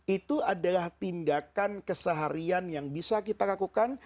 itu adalah tindakan keseharian yang bisa kita lakukan